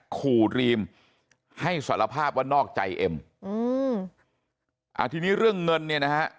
ขู่ดรีมให้สารภาพว่านอกใจเอ็มอืมอ่าทีนี้เรื่องเงินเนี่ยนะฮะ